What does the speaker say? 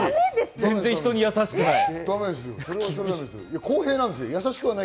全然人にやさしくない。